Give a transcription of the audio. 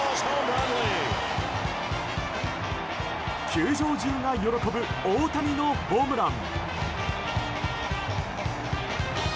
球場中が喜ぶ大谷のホームラン。